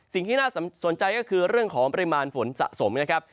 สิ่งที่น่าสนใจก็คือเรื่องของปริมาณฝนสะสมนะครับ